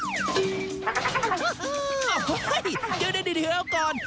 โอ้เฮ่ยเดี๋ยวเดี๋ยวครับก่อน